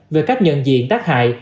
về các nhận diện tác hại